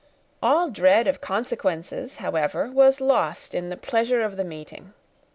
All dread of consequences, however, was lost in the pleasure of the meeting.